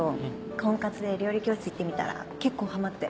婚活で料理教室行ってみたら結構はまって。